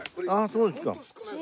そうですか。